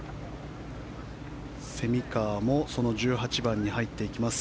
蝉川もその１８番に入っていきます。